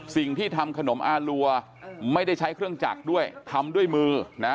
สิ่งที่ทำขนมอารัวไม่ได้ใช้เครื่องจักรด้วยทำด้วยมือนะ